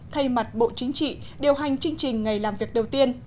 thay mặt bộ chính trị điều hành chương trình ngày làm việc đầu tiên